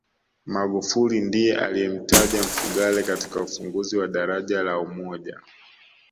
magufuli ndiye aliyemtaja mfugale katika ufunguzi wa daraja la umoja